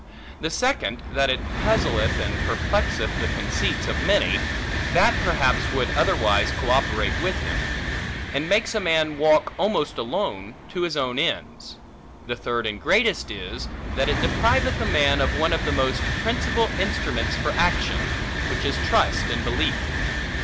The second, that it puzzleth and perplexeth the conceits of many, that perhaps would otherwise co operate with him; and makes a man walk almost alone, to his own ends. The third and greatest is, that it depriveth a man of one of the most principal instruments for action; which is trust and belief.